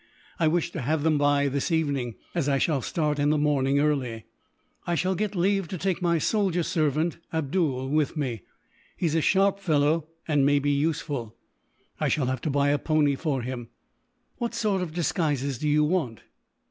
I wish to have them by this evening, as I shall start in the morning, early. "I shall get leave to take my soldier servant, Abdool, with me. He is a sharp fellow, and may be useful. I shall have to buy a pony for him." "What sort of disguises do you want?"